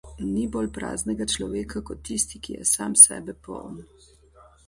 Ni bolj praznega človeka, kot je tisti, ki je sam sebe poln.